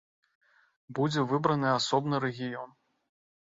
Будзе выбраны асобны рэгіён.